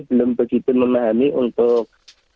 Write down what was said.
belum begitu memahami untuk